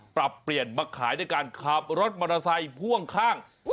ปรับเปลี่ยนมาขายด้วยการขับรถมอเตอร์ไซค์พ่วงข้าง